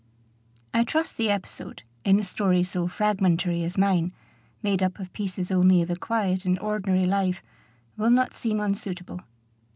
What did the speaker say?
I trust the episode, in a story so fragmentary as mine, made up of pieces only of a quiet and ordinary life, will not seem unsuitable.